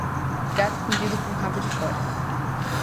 Gato escondido com o rabo de fora.